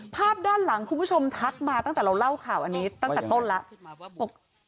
ภาพด้านหลังคุณผู้ชมทักมาตั้งแต่เราเล่าข่าวอันนี้ตั้งแต่ต้นแล้ว